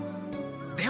では！